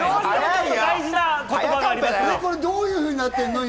これ、どういうふうになってるの？